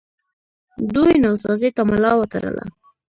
دوی نوسازۍ ته ملا وتړله